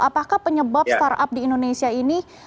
apakah penyebab startup di indonesia ini